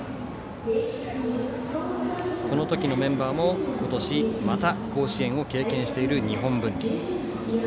その時のメンバーも今年また甲子園を経験している日本文理。